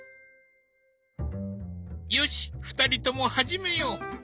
よし２人とも始めよう。